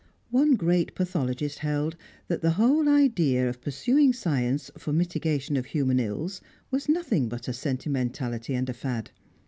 One great pathologist held that the whole idea of pursuing science for mitigation of human ills was nothing but a sentimentality and a fad.